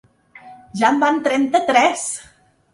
Ja en van trenta-tres!